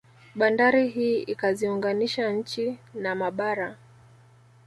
Bandari hii ikaziunganisha nchi na mabara